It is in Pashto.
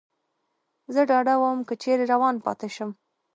زه ډاډه ووم، که چېرې روان پاتې شم.